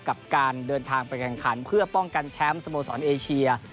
กับการเดินทางไปแข่งขันเพื่อป้องกันแชมป์สโมสรเอเชีย